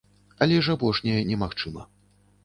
Але ж апошняе немагчыма.